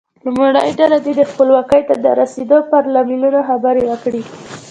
لومړۍ ډله دې خپلواکۍ ته د رسیدو پر لاملونو خبرې وکړي.